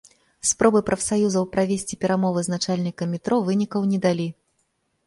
Спробы прафсаюзаў правесці перамовы з начальнікам метро вынікаў не далі.